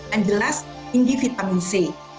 yang jelas tinggi vitamin c